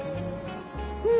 うん。